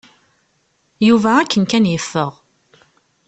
Yuba akken kan yeffeɣ.